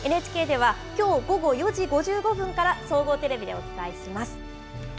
ＮＨＫではきょう午後４時５５分から総合テレビでお伝えします。